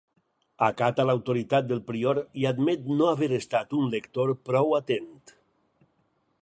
Acata l'autoritat del prior i admet no haver estat un lector prou atent.